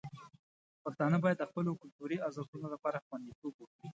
پښتانه باید د خپلو کلتوري ارزښتونو لپاره خوندیتوب وکړي.